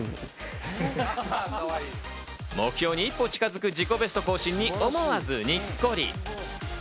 目標に一歩近づく自己ベスト更新に思わずにっこり。